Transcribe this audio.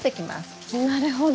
なるほど。